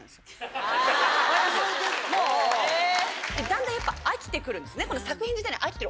だんだんやっぱ飽きて来るんですね。